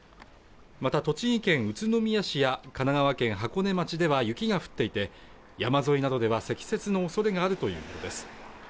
また栃木県宇都宮市や神奈川県箱根町では雪が降っていて山沿いなどでは積雪の恐れがあるということです